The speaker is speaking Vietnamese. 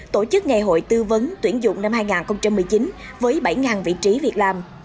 tổ chức ngày hội tư vấn tuyển dụng năm hai nghìn một mươi chín với bảy vị trí việc làm